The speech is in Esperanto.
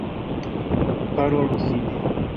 Parolu fine!